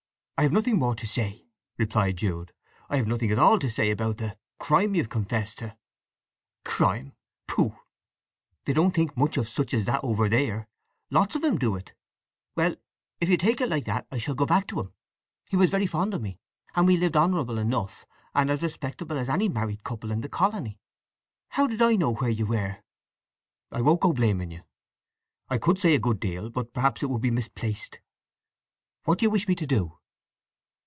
"I have nothing more to say!" replied Jude. "I have nothing at all to say about the—crime—you've confessed to!" "Crime! Pooh. They don't think much of such as that over there! Lots of 'em do it… Well, if you take it like that I shall go back to him! He was very fond of me, and we lived honourable enough, and as respectable as any married couple in the colony! How did I know where you were?" "I won't go blaming you. I could say a good deal; but perhaps it would be misplaced. What do you wish me to do?"